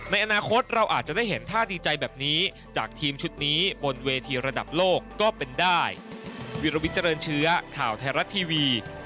ในอนาคตเราอาจจะได้เห็นท่าดีใจแบบนี้จากทีมชุดนี้บนเวทีระดับโลกก็เป็นได้